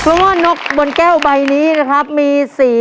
เพราะว่านกบนแก้วใบนี้นะครับมีสี